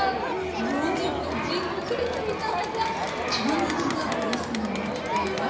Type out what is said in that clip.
４０分じっくりと炒めたたまねぎがベースになっています